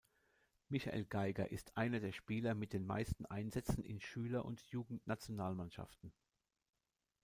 Michael Geiger ist einer der Spieler mit den meisten Einsätzen in Schüler- und Jugendnationalmannschaften.